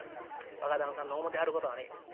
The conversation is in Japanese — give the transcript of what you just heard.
「若旦さんの思てはることはね